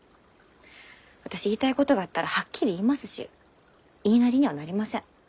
私言いたいことがあったらはっきり言いますし言いなりにはなりません。